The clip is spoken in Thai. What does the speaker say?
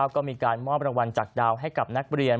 ก็มีการมอบรางวัลจากดาวให้กับนักเรียน